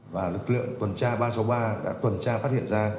và lực lượng tuần tra ba trăm sáu mươi ba đã tuần tra phát hiện ra